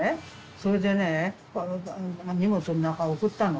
それでね荷物の中へ送ったの。